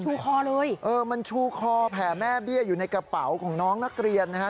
คอเลยเออมันชูคอแผ่แม่เบี้ยอยู่ในกระเป๋าของน้องนักเรียนนะฮะ